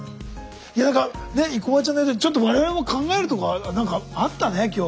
いや何かね生駒ちゃんの言うとおりちょっと我々も考えるとこが何かあったね今日。